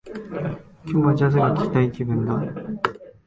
今日は、ジャズが聞きたい気分だ